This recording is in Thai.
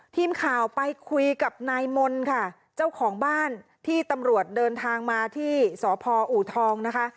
ทีมข่าวไปคุยกับนายมนต์ค่ะเจ้าของบ้านที่ตำรวจเดินทางมาที่สพอูทองนะคะ